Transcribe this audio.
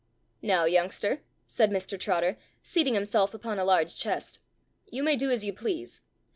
"Now, youngster," said Mr Trotter, seating himself upon a large chest, "you may do as you please.